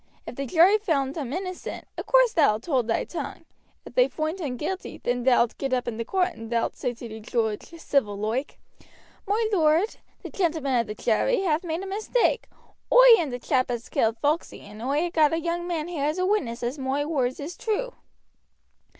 Ef the jury foind him innocent, of course thou will't hold thy tongue; ef they foind him guilty, then thou'lt get up in the court, and thou'lt say to the joodge, civil loike: "Moi lord, the gentlemen of the jury have made a mistake; oi am the chap as killed Foxey and oi ha' got a young man here as a witness as moi words is true."